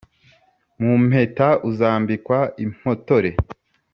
Mu mpeta uzambikwa impotore